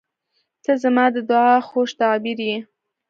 • ته زما د دعا خوږ تعبیر یې.